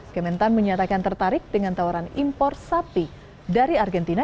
kementan menyatakan tertarik dengan tawaran impor sapi dari argentina